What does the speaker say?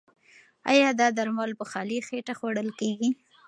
ایا دا درمل په خالي خېټه خوړل کیږي؟